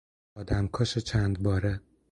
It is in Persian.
آدمکش چندباره